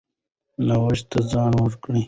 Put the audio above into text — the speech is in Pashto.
نوښت ته ځای ورکړئ.